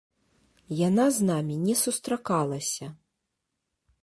Яна з намі не сустракалася.